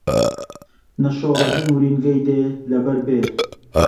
نە شۆڕەژن ورینگەی دێ لەبەر بێر